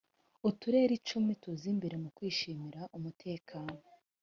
uturere icumi tuza mbere mu kwishimira umutekano